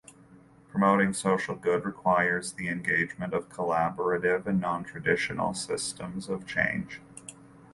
Promoting social good requires the engagement of collaborative and nontraditional systems of change.